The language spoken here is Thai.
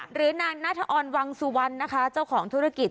หรือนางนัทออนวังสุวรรณนะคะเจ้าของธุรกิจ